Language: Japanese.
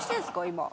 今。